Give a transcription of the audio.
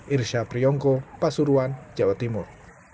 irsyah priyongko pasuruan jawa timur